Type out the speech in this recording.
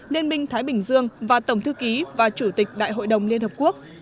liên minh thái bình dương và tổng thư ký và chủ tịch đại hội đồng liên hợp quốc